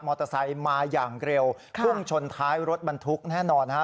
มอเตอร์ไซค์มาอย่างเร็วเพิ่งชนท้ายรถบรรทุกแน่นอนค่ะ